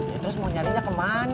terus mau nyarinya kemana